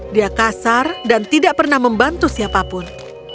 dia kasar dan tidak pernah membantu siapapun